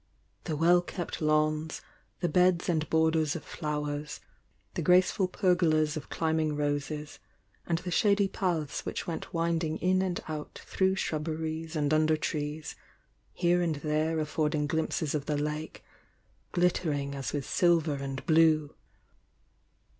— tbo well kept lawns, the beds and borders of flowere,— the graceful pergolas of climbing roses, and the shady paths which went winding in and out throu^ shrubberies and under trees, here and there affordmg glimpses of the lake, ghttering as with sil ver and blue.